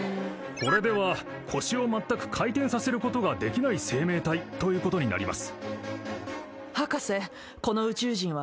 これでは腰を全く回転させることができない生命体ということになります